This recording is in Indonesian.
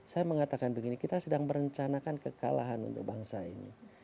saya mengatakan begini kita sedang merencanakan kekalahan untuk bangsa ini